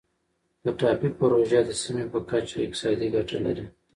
د ټاپي پروژه د سیمې په کچه اقتصادي ګټه لري.